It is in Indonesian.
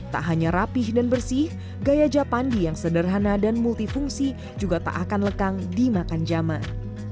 tak hanya rapih dan bersih gaya japandi yang sederhana dan multifungsi juga tak akan lekang dimakan jaman